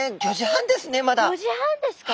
５時半ですか？